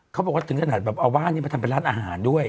เขาบอกว่าถึงขนาดแบบเอาบ้านนี้มาทำเป็นร้านอาหารด้วย